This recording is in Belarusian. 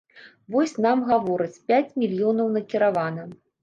Вось, нам гавораць, пяць мільёнаў накіравана.